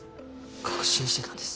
確信してたんです。